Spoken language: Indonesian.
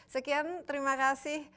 sekian terima kasih